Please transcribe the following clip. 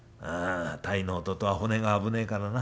タイのおととは骨が危ねえからな。